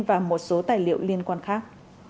và một số tài liệu liên quan khác